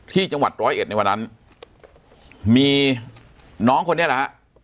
ที่จังหวัดร้อยเอ็ดในวันนั้นมีน้องคนนี้แหละฮะ